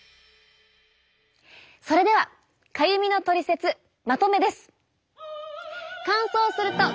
それではかゆみのトリセツまとめです。